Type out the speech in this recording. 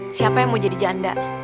siapa yang mau jadi janda